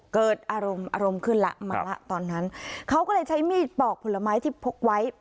เกิดอารมณ์อารมณ์ขึ้นแล้วมาละตอนนั้นเขาก็เลยใช้มีดปอกผลไม้ที่พกไว้